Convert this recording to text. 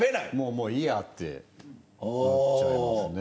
もういいやってなっちゃいますね。